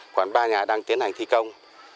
khoảng ba nhà đang tiến hành thi công